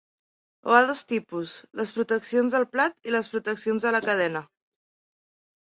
Ho ha dos tipus, les proteccions del plat i les proteccions de la cadena.